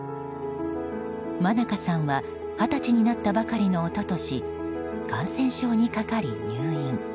愛加さんは二十歳になったばかりの一昨年感染症にかかり入院。